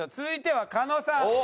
続いては狩野さん。